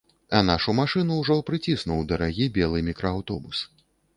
А нашу машыну ўжо прыціснуў дарагі белы мікрааўтобус.